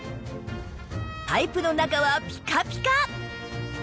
パイプの中はピカピカ！